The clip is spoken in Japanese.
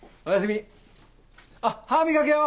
あっ歯磨けよ！